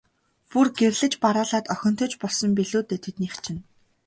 Бүр гэрлэж бараалаад охинтой ч болсон билүү дээ, тэднийх чинь.